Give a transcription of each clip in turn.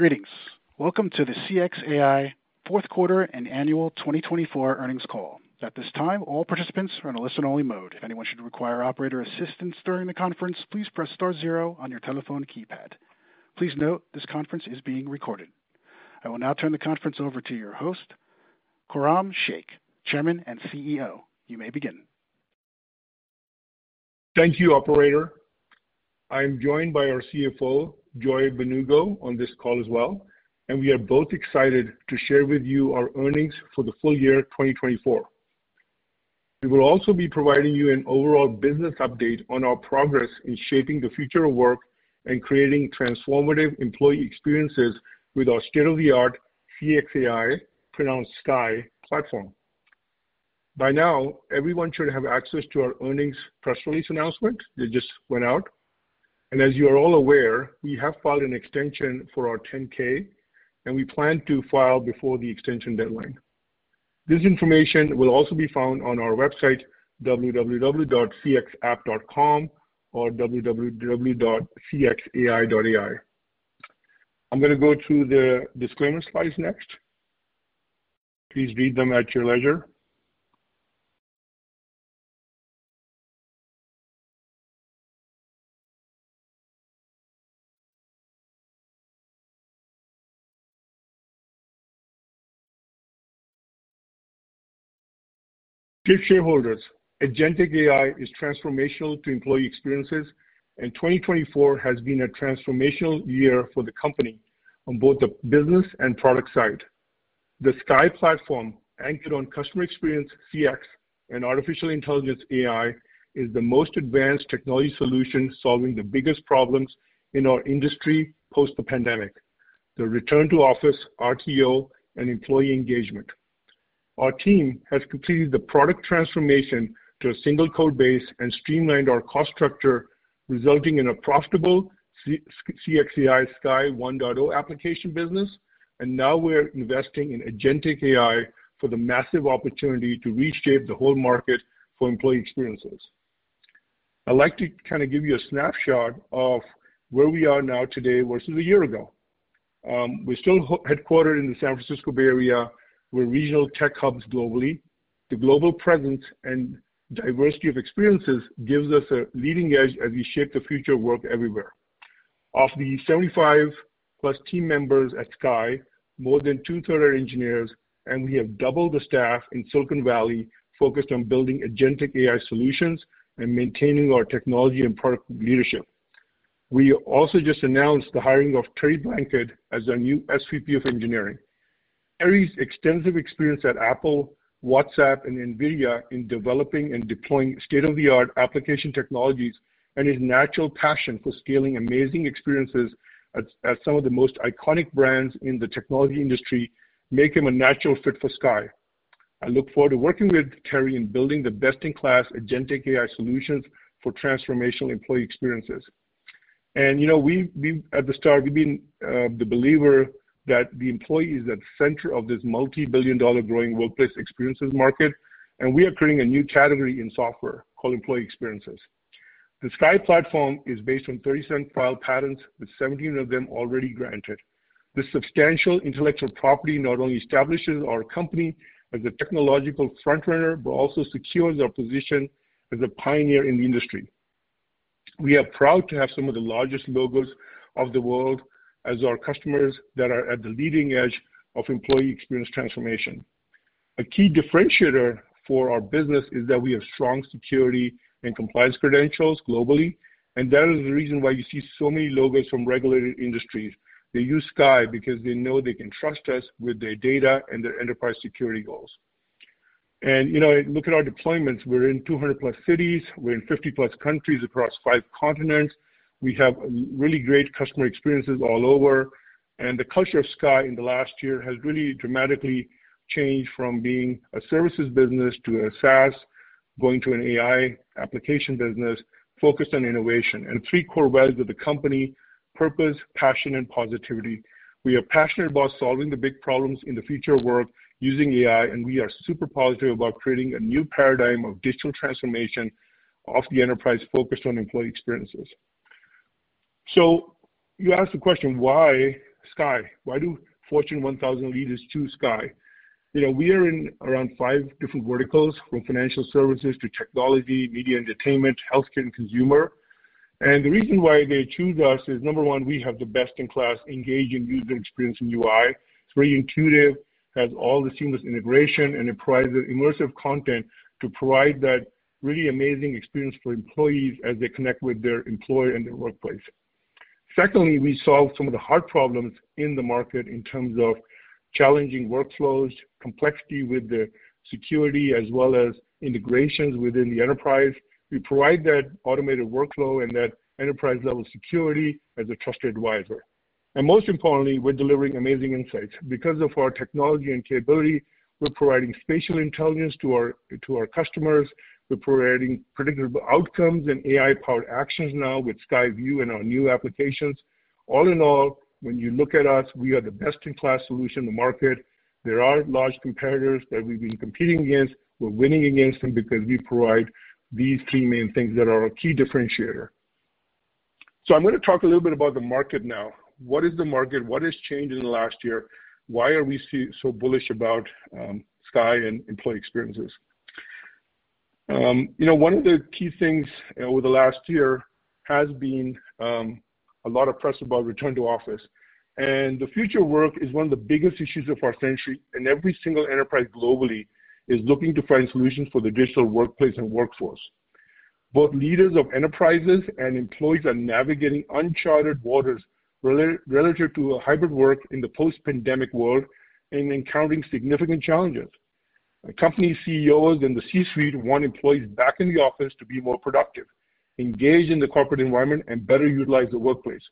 Greetings. Welcome to the CXAI quarter and annual 2024 earnings call. At this time, all participants are in a listen-only mode. If anyone should require operator assistance during the conference, please press star zero on your telephone keypad. Please note this conference is being recorded. I will now turn the conference over to your host, Khurram Sheikh, Chairman and CEO. You may begin. Thank you, operator. I am joined by our CFO, Joy Mbanugo, on this call as well, and we are both excited to share with you our earnings for the full year 2024. We will also be providing you an overall business update on our progress in shaping the future of work and creating transformative employee experiences with our state-of-the-art CXAI, pronounced CXAI platform. By now, everyone should have access to our earnings press release announcement. It just went out. As you are all aware, we have filed an extension for our 10-K, and we plan to file before the extension deadline. This information will also be found on our website, www.cxapp.com or www.cxai.ai. I'm going to go through the disclaimer slides next. Please read them at your leisure. Dear shareholders, agentic AI is transformational to employee experiences, and 2024 has been a transformational year for the company on both the business and product side. The CXAI platform, anchored on customer experience, CX, and artificial intelligence, AI, is the most advanced technology solution solving the biggest problems in our industry post-pandemic: the return to office, RTO, and employee engagement. Our team has completed the product transformation to a single code base and streamlined our cost structure, resulting in a profitable CXAI 1.0 application business. We are now investing in agentic AI for the massive opportunity to reshape the whole market for employee experiences. I'd like to kind of give you a snapshot of where we are now today versus a year ago. We're still headquartered in the San Francisco Bay Area. We're regional tech hubs globally. The global presence and diversity of experiences gives us a leading edge as we shape the future of work everywhere. Of the 75+ team members at CXAI, more than 2/3 are engineers, and we have doubled the staff in Silicon Valley focused on building agentic AI solutions and maintaining our technology and product leadership. We also just announced the hiring of Terry Blanchard as our new SVP of Engineering. Terry's extensive experience at Apple, WhatsApp, and NVIDIA in developing and deploying state-of-the-art application technologies and his natural passion for scaling amazing experiences at some of the most iconic brands in the technology industry make him a natural fit for CXAI. I look forward to working with Terry in building the best-in-class agentic AI solutions for transformational employee experiences. You know, at the start, we've been the believer that the employee is at the center of this multi-billion dollar growing workplace experiences market, and we are creating a new category in software called employee experiences. The CXAI platform is based on 37 file patterns, with 17 of them already granted. This substantial intellectual property not only establishes our company as a technological frontrunner, but also secures our position as a pioneer in the industry. We are proud to have some of the largest logos of the world as our customers that are at the leading edge of employee experience transformation. A key differentiator for our business is that we have strong security and compliance credentials globally, and that is the reason why you see so many logos from regulated industries. They use CXAI because they know they can trust us with their data and their enterprise security goals. You know, look at our deployments. We're in 200+ cities. We're in 50+ countries across five continents. We have really great customer experiences all over. The culture of CXAI in the last year has really dramatically changed from being a services business to a SaaS, going to an AI application business focused on innovation. Three core values of the company: purpose, passion, and positivity. We are passionate about solving the big problems in the future of work using AI, and we are super positive about creating a new paradigm of digital transformation of the enterprise focused on employee experiences. You ask the question, why CXAI? Why do Fortune 1000 leaders choose CXAI? You know, we are in around five different verticals, from financial services to technology, media entertainment, healthcare, and consumer. The reason why they choose us is, number one, we have the best-in-class engaging user experience in UI. It's very intuitive, has all the seamless integration, and it provides immersive content to provide that really amazing experience for employees as they connect with their employer and their workplace. Secondly, we solve some of the hard problems in the market in terms of challenging workflows, complexity with the security, as well as integrations within the enterprise. We provide that automated workflow and that enterprise-level security as a trusted advisor. Most importantly, we're delivering amazing insights. Because of our technology and capability, we're providing spatial intelligence to our customers. We're providing predictable outcomes and AI-powered actions now with CXAI VU and our new applications. All in all, when you look at us, we are the best-in-class solution in the market. There are large competitors that we've been competing against. We're winning against them because we provide these three main things that are our key differentiator. I'm going to talk a little bit about the market now. What is the market? What has changed in the last year? Why are we so bullish about CXAI and employee experiences? You know, one of the key things over the last year has been a lot of press about return to office. The future of work is one of the biggest issues of our century, and every single enterprise globally is looking to find solutions for the digital workplace and workforce. Both leaders of enterprises and employees are navigating uncharted waters relative to hybrid work in the post-pandemic world and encountering significant challenges. Company CEOs in the C-suite want employees back in the office to be more productive, engage in the corporate environment, and better utilize the workplace.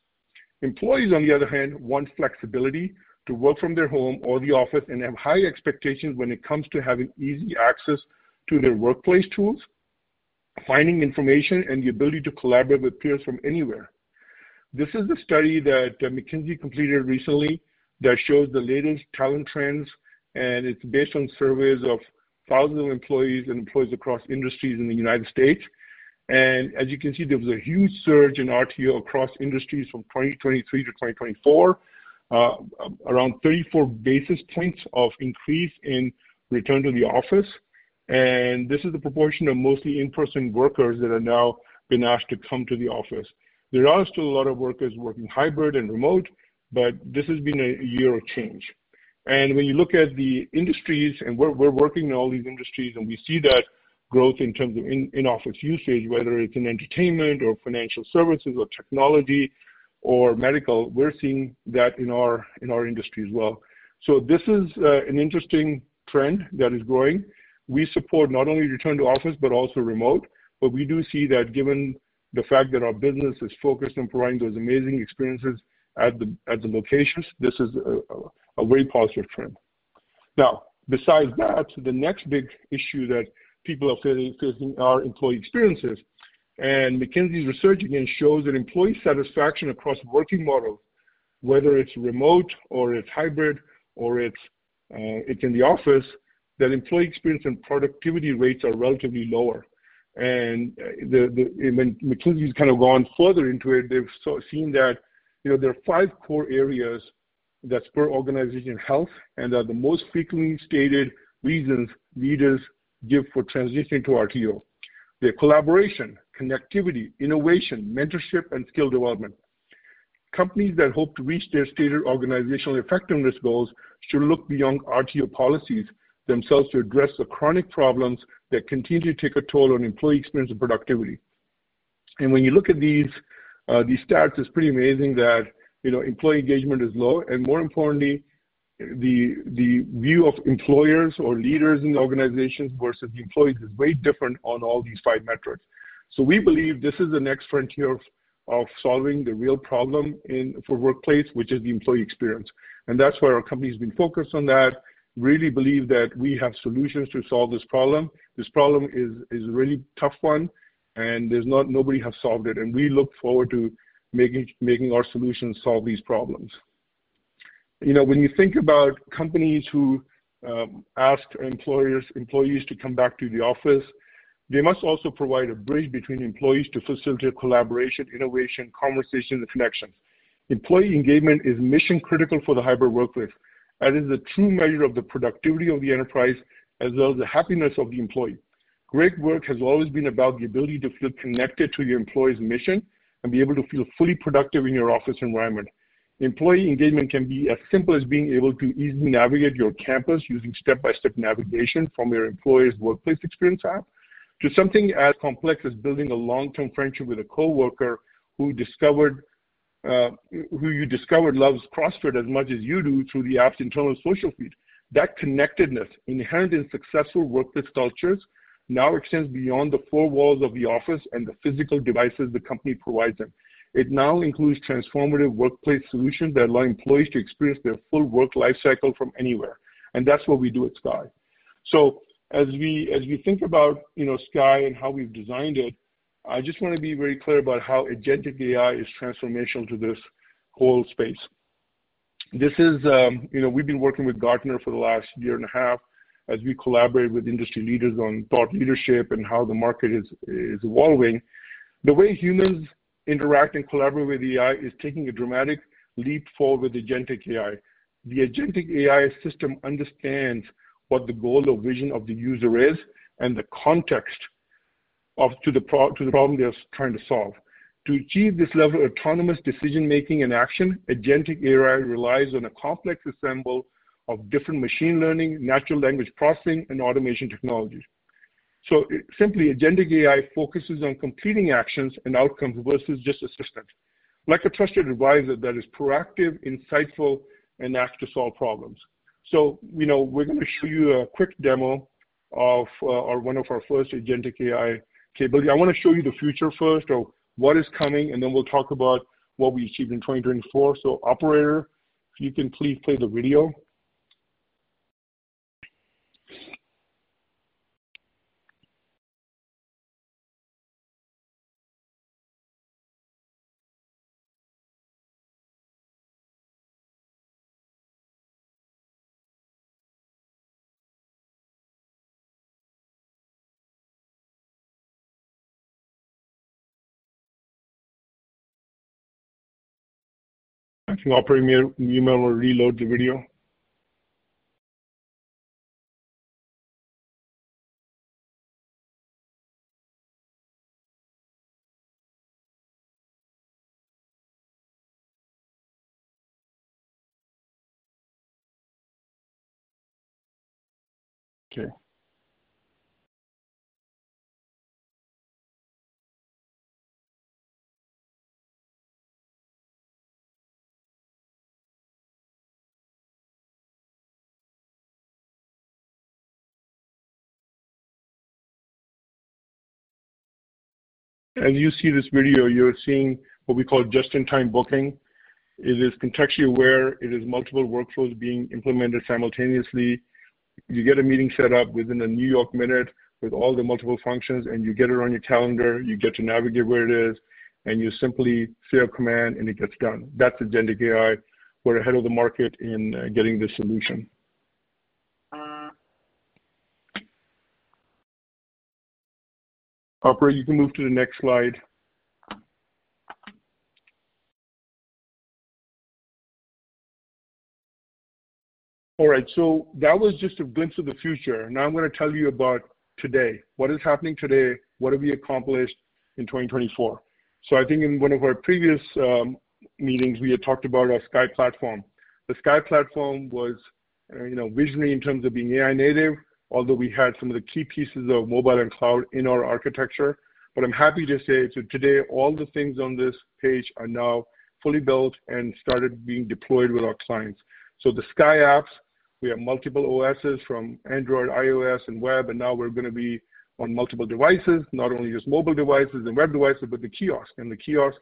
Employees, on the other hand, want flexibility to work from their home or the office and have high expectations when it comes to having easy access to their workplace tools, finding information, and the ability to collaborate with peers from anywhere. This is the study that McKinsey completed recently that shows the latest talent trends, and it's based on surveys of thousands of employees and employees across industries in the United States. As you can see, there was a huge surge in RTO across industries from 2023 to 2024, around 34 basis points of increase in return to the office. This is the proportion of mostly in-person workers that are now being asked to come to the office. There are still a lot of workers working hybrid and remote, but this has been a year of change. When you look at the industries and where we're working in all these industries, we see that growth in terms of in-office usage, whether it's in entertainment or financial services or technology or medical. We're seeing that in our industry as well. This is an interesting trend that is growing. We support not only return to office, but also remote, but we do see that given the fact that our business is focused on providing those amazing experiences at the locations, this is a very positive trend. Now, besides that, the next big issue that people are facing are employee experiences. McKinsey's research again shows that employee satisfaction across working models, whether it's remote or it's hybrid or it's in the office, that employee experience and productivity rates are relatively lower. McKinsey's kind of gone further into it. They've seen that, you know, there are five core areas that spur organization health and are the most frequently stated reasons leaders give for transitioning to RTO. They're collaboration, connectivity, innovation, mentorship, and skill development. Companies that hope to reach their stated organizational effectiveness goals should look beyond RTO policies themselves to address the chronic problems that continue to take a toll on employee experience and productivity. When you look at these stats, it's pretty amazing that, you know, employee engagement is low, and more importantly, the view of employers or leaders in the organization versus the employees is way different on all these five metrics. We believe this is the next frontier of solving the real problem for workplace, which is the employee experience. That's why our company has been focused on that. We really believe that we have solutions to solve this problem. This problem is a really tough one, and nobody has solved it. We look forward to making our solutions solve these problems. You know, when you think about companies who ask employers to come back to the office, they must also provide a bridge between employees to facilitate collaboration, innovation, conversation, and connection. Employee engagement is mission-critical for the hybrid workplace. That is the true measure of the productivity of the enterprise as well as the happiness of the employee. Great work has always been about the ability to feel connected to your employee's mission and be able to feel fully productive in your office environment. Employee engagement can be as simple as being able to easily navigate your campus using step-by-step navigation from your employee's workplace experience app to something as complex as building a long-term friendship with a coworker who you discovered loves CrossFit as much as you do through the app's internal social feed. That connectedness, inherent in successful workplace cultures, now extends beyond the four walls of the office and the physical devices the company provides them. It now includes transformative workplace solutions that allow employees to experience their full work life cycle from anywhere. That is what we do at CXAI. As we think about, you know, CXAI and how we've designed it, I just want to be very clear about how agentic AI is transformational to this whole space. This is, you know, we've been working with Gartner for the last year and a half as we collaborate with industry leaders on thought leadership and how the market is evolving. The way humans interact and collaborate with AI is taking a dramatic leap forward with agentic AI. The agentic AI system understands what the goal or vision of the user is and the context to the problem they're trying to solve. To achieve this level of autonomous decision-making and action, agentic AI relies on a complex assembly of different machine learning, natural language processing, and automation technologies. Simply, agentic AI focuses on completing actions and outcomes versus just assistant, like a trusted advisor that is proactive, insightful, and asked to solve problems. You know, we're going to show you a quick demo of one of our first agentic AI capabilities. I want to show you the future first of what is coming, and then we'll talk about what we achieved in 2024. Operator, you can please play the video. I'll put him in an email or reload the video. Okay. As you see this video, you're seeing what we call just-in-time booking. It is contextually aware. It is multiple workflows being implemented simultaneously. You get a meeting set up within a New York minute with all the multiple functions, and you get it on your calendar. You get to navigate where it is, and you simply say a command, and it gets done. That's Agentic AI. We're ahead of the market in getting this solution. Operator, you can move to the next slide. All right, so that was just a glimpse of the future. Now I'm going to tell you about today. What is happening today? What have we accomplished in 2024? I think in one of our previous meetings, we had talked about our CXAI platform. The CXAI platform was, you know, visionary in terms of being AI-native, although we had some of the key pieces of mobile and cloud in our architecture. I'm happy to say today all the things on this page are now fully built and started being deployed with our clients. The CXAI apps, we have multiple OSes from Android, iOS, and web, and now we're going to be on multiple devices, not only just mobile devices and web devices, but the kiosk. The kiosk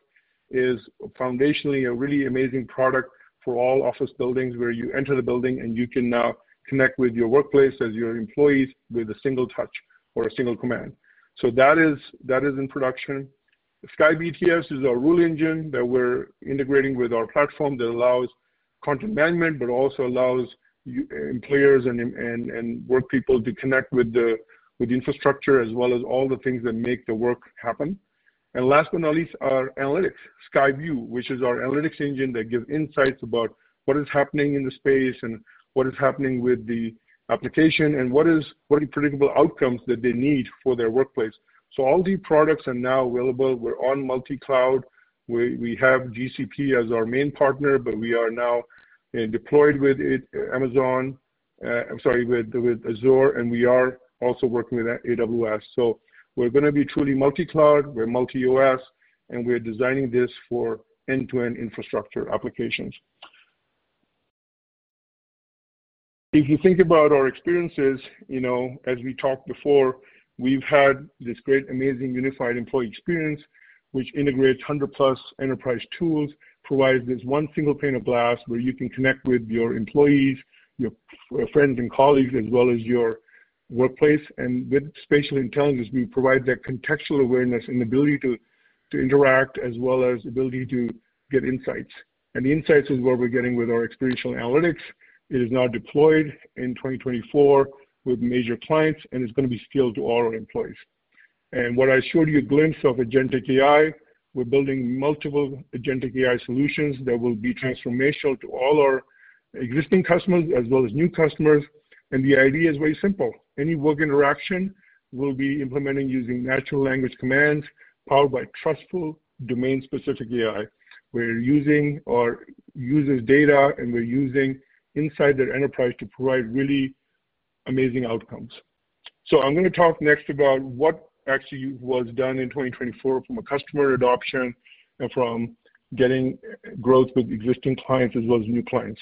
is foundationally a really amazing product for all office buildings where you enter the building and you can now connect with your workplace as your employees with a single touch or a single command. That is in production. CXAI BTS is our rule engine that we're integrating with our platform that allows content management, but also allows employers and work people to connect with the infrastructure as well as all the things that make the work happen. Last but not least, our analytics, CXAI VU, which is our analytics engine that gives insights about what is happening in the space and what is happening with the application and what are the predictable outcomes that they need for their workplace. All the products are now available. We're on multi-cloud. We have GCP as our main partner, but we are now deployed with Amazon, I'm sorry, with Azure, and we are also working with AWS. We're going to be truly multi-cloud. We're multi-OS, and we're designing this for end-to-end infrastructure applications. If you think about our experiences, you know, as we talked before, we've had this great, amazing unified employee experience, which integrates 100+ enterprise tools, provides this one single pane of glass where you can connect with your employees, your friends and colleagues, as well as your workplace. With spatial intelligence, we provide that contextual awareness and ability to interact as well as the ability to get insights. The insights is what we're getting with our experiential analytics. It is now deployed in 2024 with major clients, and it's going to be scaled to all our employees. What I showed you a glimpse of agentic AI, we're building multiple agentic AI solutions that will be transformational to all our existing customers as well as new customers. The idea is very simple. Any work interaction will be implemented using natural language commands powered by trustful domain-specific AI, where using our users' data and we're using inside their enterprise to provide really amazing outcomes. I am going to talk next about what actually was done in 2024 from a customer adoption and from getting growth with existing clients as well as new clients.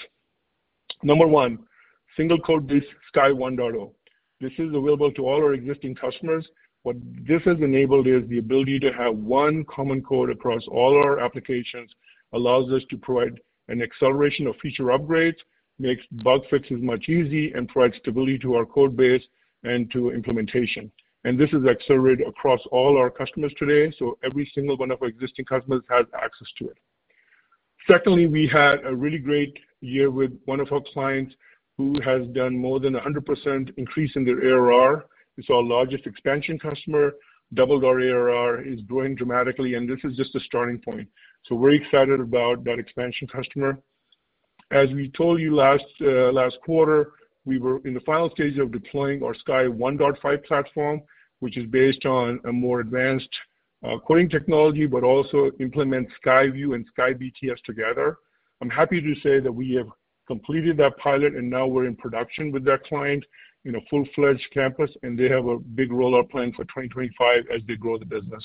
Number one, single code this CXAI 1.0. This is available to all our existing customers. What this has enabled is the ability to have one common code across all our applications, allows us to provide an acceleration of feature upgrades, makes bug fixes much easier, and provides stability to our code base and to implementation. This is accelerated across all our customers today, so every single one of our existing customers has access to it. Secondly, we had a really great year with one of our clients who has done more than a 100% increase in their ARR. It's our largest expansion customer. Doubled our ARR is growing dramatically, and this is just the starting point. We are excited about that expansion customer. As we told you last quarter, we were in the final stage of deploying our CXAI 1.5 platform, which is based on a more advanced coding technology, but also implements CXAI VU and CXAI BTS together. I'm happy to say that we have completed that pilot, and now we're in production with that client in a full-fledged campus, and they have a big rollout plan for 2025 as they grow the business.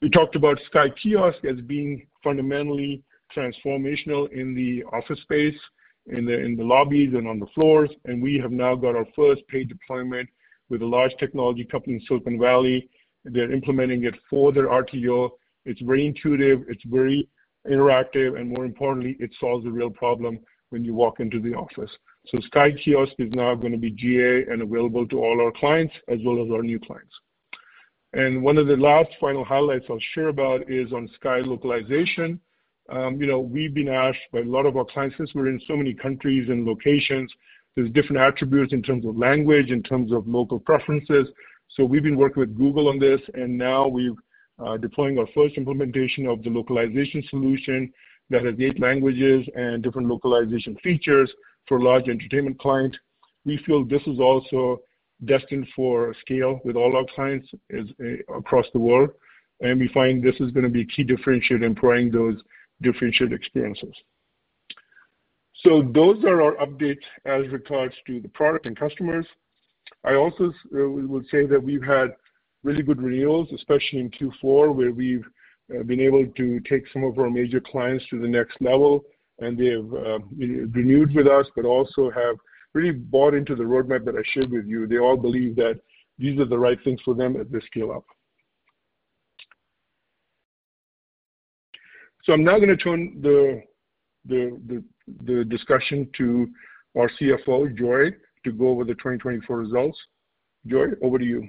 We talked about CXAI Kiosk as being fundamentally transformational in the office space, in the lobbies and on the floors, and we have now got our first paid deployment with a large technology company in Silicon Valley. They're implementing it for their RTO. It's very intuitive. It's very interactive, and more importantly, it solves the real problem when you walk into the office. CXAI Kiosk is now going to be GA and available to all our clients as well as our new clients. One of the last final highlights I'll share about is on CXAI localization. You know, we've been asked by a lot of our clients because we're in so many countries and locations. There's different attributes in terms of language, in terms of local preferences. We have been working with Google on this, and now we are deploying our first implementation of the localization solution that has eight languages and different localization features for large entertainment clients. We feel this is also destined for scale with all our clients across the world, and we find this is going to be a key differentiator in providing those differentiated experiences. Those are our updates as regards to the product and customers. I also would say that we have had really good renewals, especially in Q4, where we have been able to take some of our major clients to the next level, and they have renewed with us, but also have really bought into the roadmap that I shared with you. They all believe that these are the right things for them at this scale-up. I'm now going to turn the discussion to our CFO, Joy, to go over the 2024 results. Joy, over to you.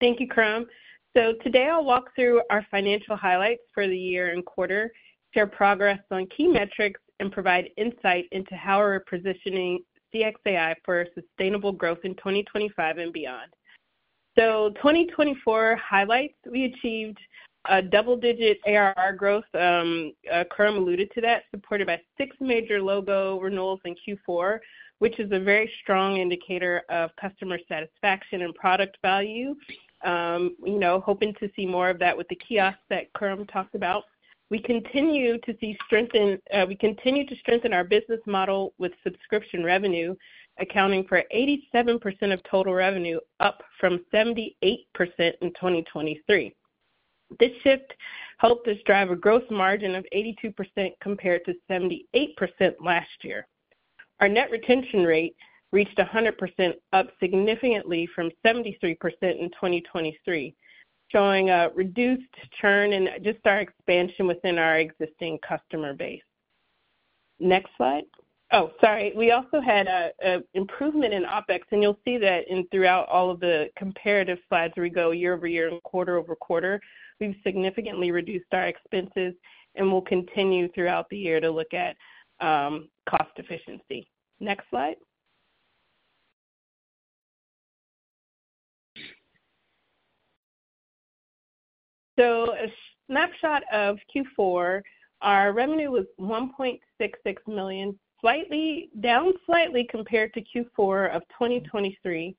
Thank you, Khurram. Today I'll walk through our financial highlights for the year and quarter, share progress on key metrics, and provide insight into how we're positioning CXAI for sustainable growth in 2025 and beyond. 2024 highlights, we achieved double-digit ARR growth. Khurram alluded to that, supported by six major logo renewals in Q4, which is a very strong indicator of customer satisfaction and product value. You know, hoping to see more of that with the Kiosk that Khurram talked about. We continue to strengthen our business model with subscription revenue accounting for 87% of total revenue, up from 78% in 2023. This shift helped us drive a growth margin of 82% compared to 78% last year. Our net retention rate reached 100%, up significantly from 73% in 2023, showing a reduced churn and just our expansion within our existing customer base. Next slide. Oh, sorry. We also had an improvement in OpEx, and you'll see that throughout all of the comparative slides where we go year-over-year and quarter-over-quarter, we've significantly reduced our expenses and will continue throughout the year to look at cost efficiency. Next slide. A snapshot of Q4, our revenue was $1.66 million, down slightly compared to Q4 of 2023.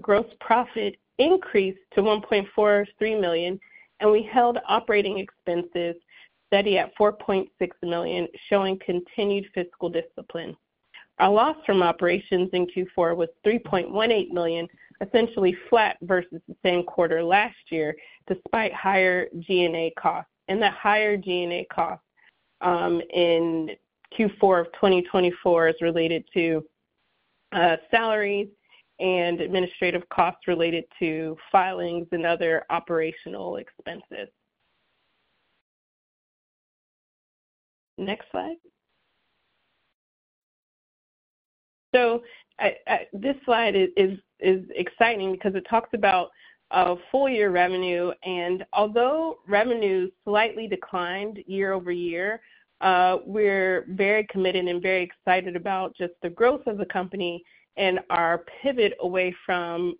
Gross profit increased to $1.43 million, and we held operating expenses steady at $4.6 million, showing continued fiscal discipline. Our loss from operations in Q4 was $3.18 million, essentially flat versus the same quarter last year, despite higher G&A costs. That higher G&A costs in Q4 of 2024 is related to salaries and administrative costs related to filings and other operational expenses. Next slide. This slide is exciting because it talks about full-year revenue. Although revenue slightly declined year-over-year, we're very committed and very excited about just the growth of the company and our pivot away from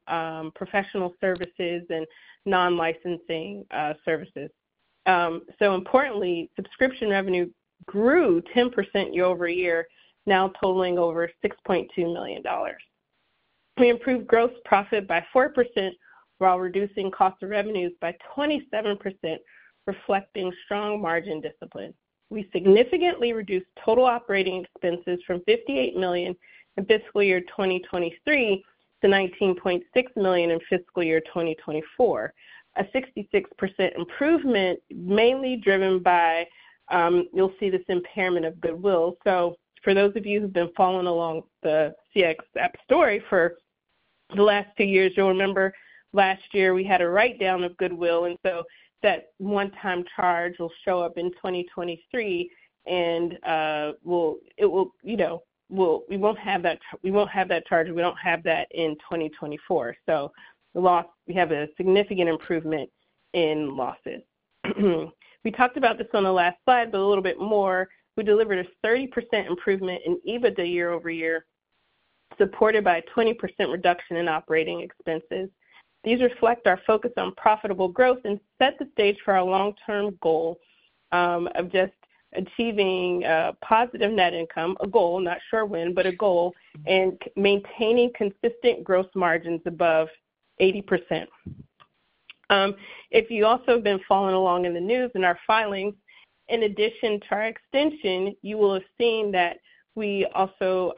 professional services and non-licensing services. Importantly, subscription revenue grew 10% year-over-year, now totaling over $6.2 million. We improved gross profit by 4% while reducing cost of revenues by 27%, reflecting strong margin discipline. We significantly reduced total operating expenses from $58 million in fiscal year 2023 to $19.6 million in fiscal year 2024, a 66% improvement mainly driven by, you'll see, this impairment of goodwill. For those of you who've been following along the CXApp story for the last few years, you'll remember last year we had a write-down of goodwill. That one-time charge will show up in 2023, and it will, you know, we won't have that—we won't have that charge. We don't have that in 2024. We have a significant improvement in losses. We talked about this on the last slide, but a little bit more. We delivered a 30% improvement in EBITDA year-over-year, supported by a 20% reduction in operating expenses. These reflect our focus on profitable growth and set the stage for our long-term goal of just achieving a positive net income, a goal, not sure when, but a goal, and maintaining consistent gross margins above 80%. If you also have been following along in the news and our filings, in addition to our extension, you will have seen that we also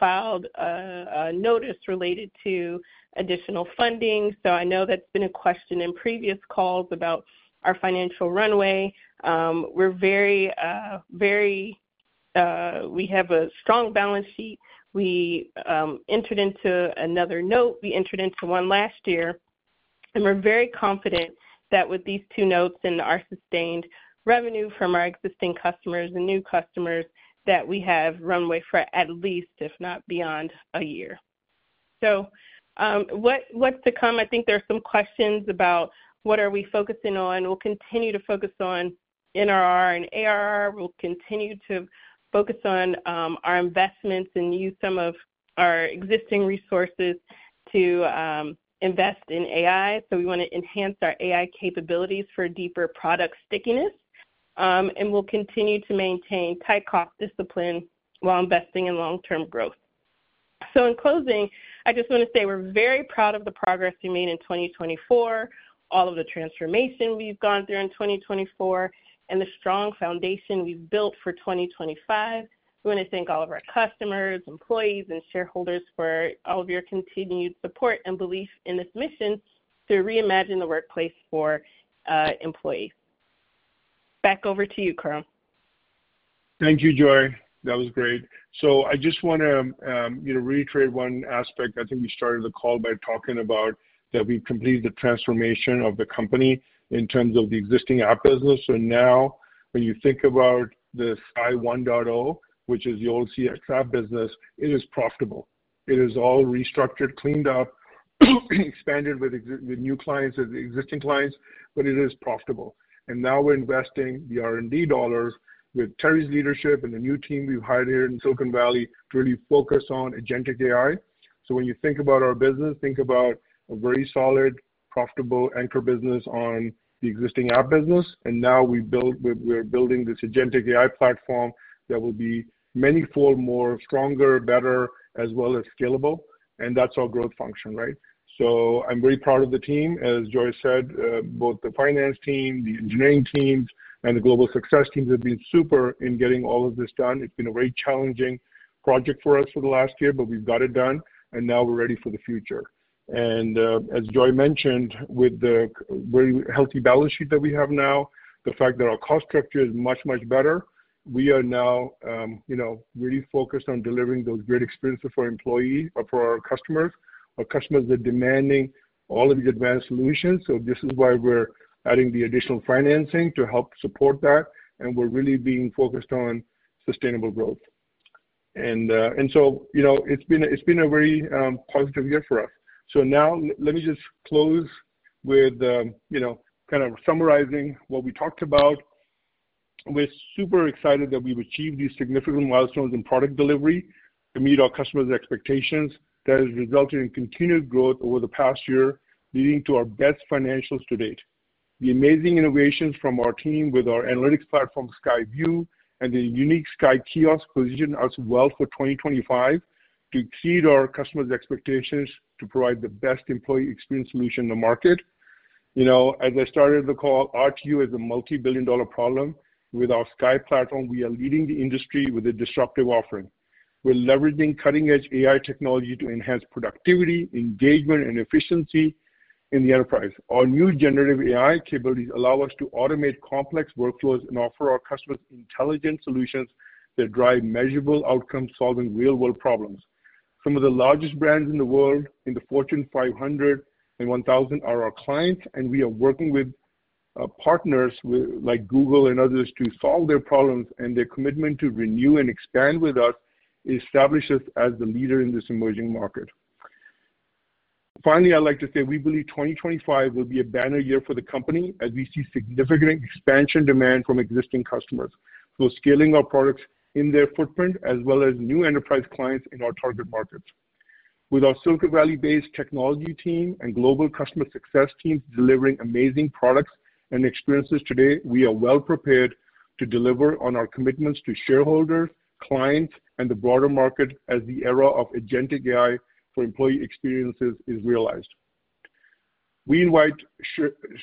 filed a notice related to additional funding. I know that's been a question in previous calls about our financial runway. We're very, very—we have a strong balance sheet. We entered into another note. We entered into one last year. We're very confident that with these two notes and our sustained revenue from our existing customers and new customers, we have runway for at least, if not beyond, a year. What's to come? I think there are some questions about what are we focusing on. We'll continue to focus on NRR and ARR. We'll continue to focus on our investments and use some of our existing resources to invest in AI. We want to enhance our AI capabilities for deeper product stickiness. We will continue to maintain tight cost discipline while investing in long-term growth. In closing, I just want to say we are very proud of the progress we made in 2024, all of the transformation we have gone through in 2024, and the strong foundation we have built for 2025. We want to thank all of our customers, employees, and shareholders for all of your continued support and belief in this mission to reimagine the workplace for employees. Back over to you, Khurram. Thank you, Joy. That was great. I just want to, you know, reiterate one aspect. I think we started the call by talking about that we have completed the transformation of the company in terms of the existing app business. Now, when you think about the CXAI 1.0, which is the old CXApp business, it is profitable. It is all restructured, cleaned up, expanded with new clients and existing clients, but it is profitable. We are investing the R&D dollars with Terry's leadership and the new team we have hired here in Silicon Valley to really focus on agentic AI. When you think about our business, think about a very solid, profitable anchor business on the existing app business. We are building this agentic AI platform that will be manifold more stronger, better, as well as scalable. That is our growth function, right? I am very proud of the team. As Joy said, both the finance team, the engineering team, and the global success teams have been super in getting all of this done. It's been a very challenging project for us for the last year, but we've got it done. Now we're ready for the future. As Joy mentioned, with the very healthy balance sheet that we have now, the fact that our cost structure is much, much better, we are now, you know, really focused on delivering those great experiences for our employees, for our customers. Our customers are demanding all of these advanced solutions. This is why we're adding the additional financing to help support that. We're really being focused on sustainable growth. You know, it's been a very positive year for us. Now let me just close with, you know, kind of summarizing what we talked about. We're super excited that we've achieved these significant milestones in product delivery to meet our customers' expectations. That has resulted in continued growth over the past year, leading to our best financials to date. The amazing innovations from our team with our analytics platform, CXAI VU, and the unique CXAI Kiosk position us well for 2025 to exceed our customers' expectations to provide the best employee experience solution in the market. You know, as I started the call, RTO is a multi-billion dollar problem. With our CXAI platform, we are leading the industry with a disruptive offering. We're leveraging cutting-edge AI technology to enhance productivity, engagement, and efficiency in the enterprise. Our new generative AI capabilities allow us to automate complex workflows and offer our customers intelligent solutions that drive measurable outcomes, solving real-world problems. Some of the largest brands in the world in the Fortune 500 and 1000 are our clients, and we are working with partners like Google and others to solve their problems. Their commitment to renew and expand with us establishes us as the leader in this emerging market. Finally, I'd like to say we believe 2025 will be a banner year for the company as we see significant expansion demand from existing customers. We're scaling our products in their footprint as well as new enterprise clients in our target markets. With our Silicon Valley-based technology team and global customer success team delivering amazing products and experiences today, we are well prepared to deliver on our commitments to shareholders, clients, and the broader market as the era of agentic AI for employee experiences is realized. We invite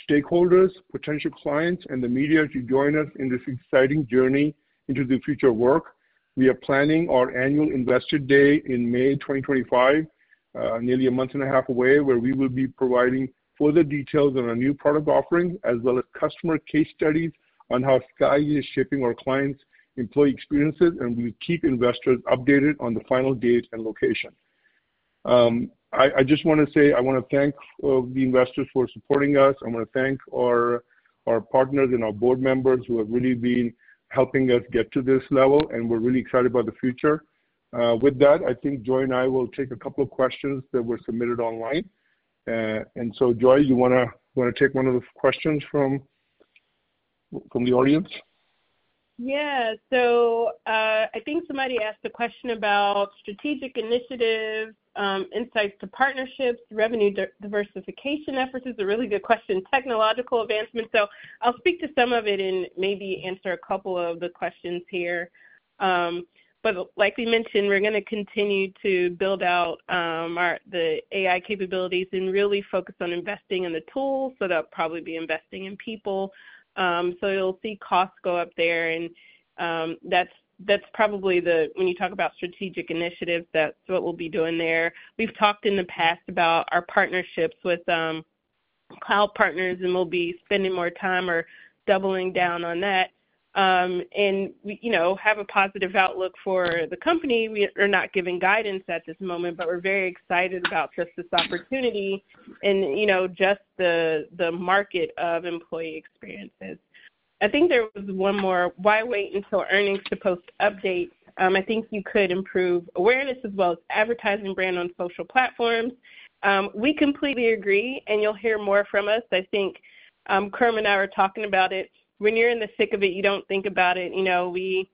stakeholders, potential clients, and the media to join us in this exciting journey into the future work. We are planning our annual Investor Day in May 2025, nearly a month and a half away, where we will be providing further details on our new product offering, as well as customer case studies on how CXAI is shaping our clients' employee experiences, and we will keep investors updated on the final date and location. I just want to say I want to thank the investors for supporting us. I want to thank our partners and our board members who have really been helping us get to this level, and we're really excited about the future. With that, I think Joy and I will take a couple of questions that were submitted online. Joy, you want to take one of the questions from the audience? Yeah. I think somebody asked a question about strategic initiatives, insights to partnerships, revenue diversification efforts. It's a really good question. Technological advancement. I'll speak to some of it and maybe answer a couple of the questions here. Like we mentioned, we're going to continue to build out the AI capabilities and really focus on investing in the tools. That'll probably be investing in people. You'll see costs go up there. That's probably the—when you talk about strategic initiatives, that's what we'll be doing there. We've talked in the past about our partnerships with cloud partners, and we'll be spending more time or doubling down on that and, you know, have a positive outlook for the company. We are not giving guidance at this moment, but we're very excited about just this opportunity and, you know, just the market of employee experiences. I think there was one more: why wait until earnings to post updates? I think you could improve awareness as well as advertising brand on social platforms. We completely agree, and you'll hear more from us. I think Khurram and I were talking about it. When you're in the thick of it, you don't think about it. You know, we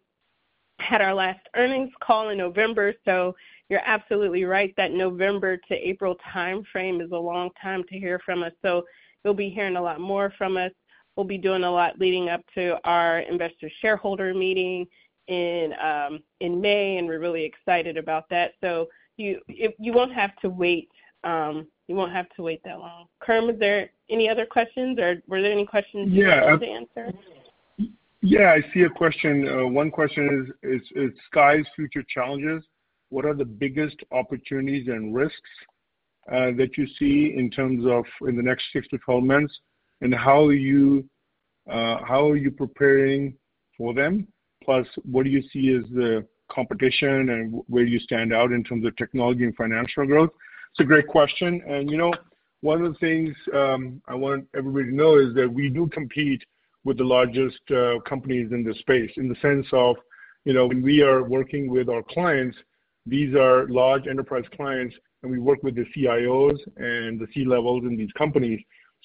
had our last earnings call in November. You are absolutely right that November to April timeframe is a long time to hear from us. You will be hearing a lot more from us. We will be doing a lot leading up to our investor shareholder meeting in May, and we are really excited about that. You will not have to wait. You will not have to wait that long. Khurram, is there any other questions, or were there any questions you wanted to answer? Yeah, I see a question. One question is CXAI's future challenges. What are the biggest opportunities and risks that you see in terms of in the next six to twelve months, and how are you preparing for them? Plus, what do you see as the competition and where do you stand out in terms of technology and financial growth? It's a great question. You know, one of the things I want everybody to know is that we do compete with the largest companies in the space in the sense of, you know, when we are working with our clients, these are large enterprise clients, and we work with the CIOs and the C-levels in these companies.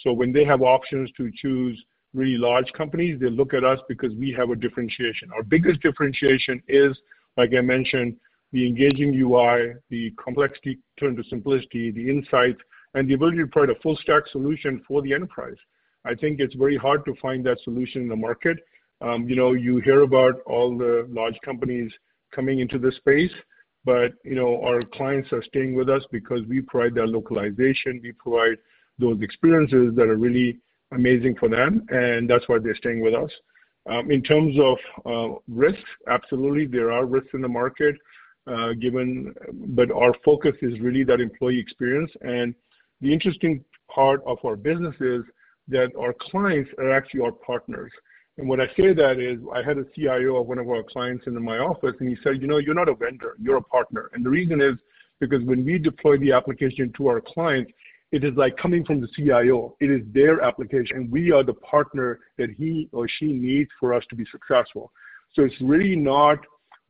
When they have options to choose really large companies, they look at us because we have a differentiation. Our biggest differentiation is, like I mentioned, the engaging UI, the complexity turned to simplicity, the insights, and the ability to provide a full-stack solution for the enterprise. I think it's very hard to find that solution in the market. You know, you hear about all the large companies coming into this space, but, you know, our clients are staying with us because we provide that localization. We provide those experiences that are really amazing for them, and that's why they're staying with us. In terms of risks, absolutely, there are risks in the market, given, but our focus is really that employee experience. The interesting part of our business is that our clients are actually our partners. When I say that, I had a CIO of one of our clients in my office, and he said, you know, you're not a vendor. You're a partner. The reason is because when we deploy the application to our clients, it is like coming from the CIO. It is their application, and we are the partner that he or she needs for us to be successful. It's really not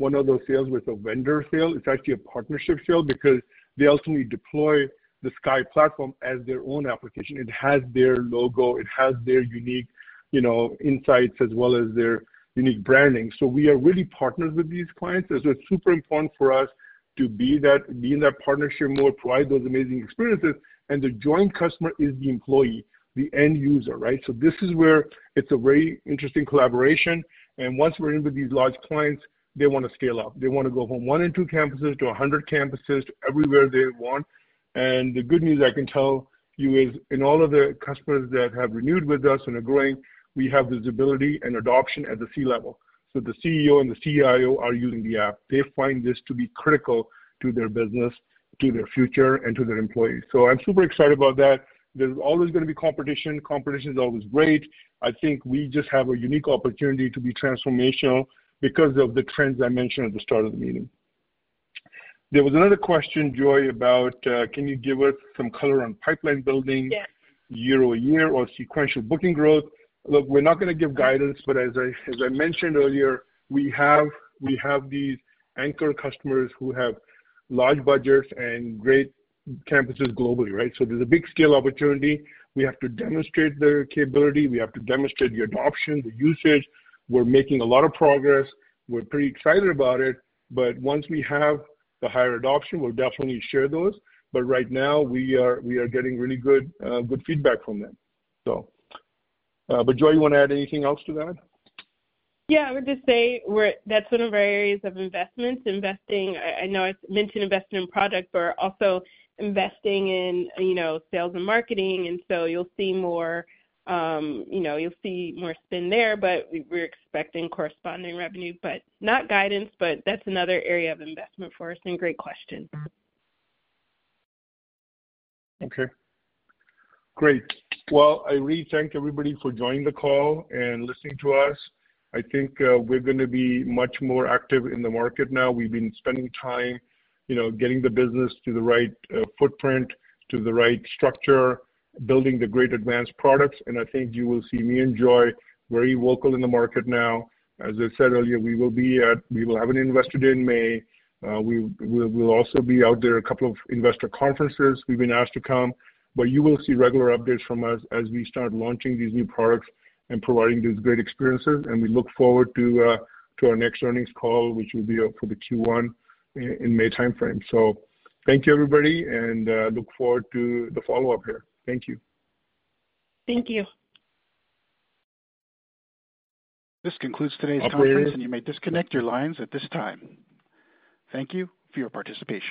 one of those sales with a vendor sale. It's actually a partnership sale because they ultimately deploy the CXAI platform as their own application. It has their logo. It has their unique, you know, insights as well as their unique branding. We are really partners with these clients. It's super important for us to be that partnership more, provide those amazing experiences. The joint customer is the employee, the end user, right? This is where it's a very interesting collaboration. Once we're into these large clients, they want to scale up. They want to go from one and two campuses to 100 campuses, to everywhere they want. The good news I can tell you is in all of the customers that have renewed with us and are growing, we have visibility and adoption at the C-level. The CEO and the CIO are using the app. They find this to be critical to their business, to their future, and to their employees. I'm super excited about that. There's always going to be competition. Competition is always great. I think we just have a unique opportunity to be transformational because of the trends I mentioned at the start of the meeting. There was another question, Joy, about, can you give us some color on pipeline building year-over-year or sequential booking growth? Look, we're not going to give guidance, but as I mentioned earlier, we have these anchor customers who have large budgets and great campuses globally, right? There is a big scale opportunity. We have to demonstrate their capability. We have to demonstrate the adoption, the usage. We're making a lot of progress. We're pretty excited about it. Once we have the higher adoption, we'll definitely share those. Right now, we are getting really good feedback from them. Joy, you want to add anything else to that? Yeah, I would just say that's one of our areas of investment. Investing, I know I mentioned investment in product, but we're also investing in, you know, sales and marketing. You'll see more, you know, you'll see more spend there, but we're expecting corresponding revenue, but not guidance, but that's another area of investment for us. Great question. I really thank everybody for joining the call and listening to us. I think we're going to be much more active in the market now. We've been spending time, you know, getting the business to the right footprint, to the right structure, building the great advanced products. I think you will see me and Joy very vocal in the market now. As I said earlier, we will have an Investor Day in May. We will also be out there at a couple of investor conferences. We've been asked to come, but you will see regular updates from us as we start launching these new products and providing these great experiences. We look forward to our next earnings call, which will be for the Q1 in the May timeframe. Thank you, everybody, and look forward to the follow-up here. Thank you. Thank you. This concludes today's conference, and you may disconnect your lines at this time. Thank you for your participation.